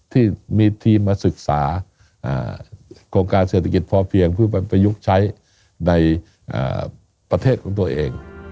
ที่มีทีมมาศึกษาโครงการเศรษฐกิจพอเพียงเพื่อประยุกต์ใช้ในประเทศของตัวเอง